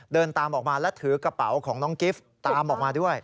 เดินตามออกมาและถือกระเป๋าของน้องกิฟต์ตามออกมาด้วย